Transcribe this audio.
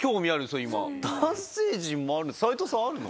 男性陣も斉藤さんあるの？